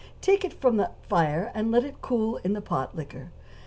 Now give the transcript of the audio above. Take it from the fire and let it cool in the pot liquor.